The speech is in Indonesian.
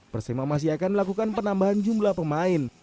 persema masih akan melakukan penambahan jumlah pemain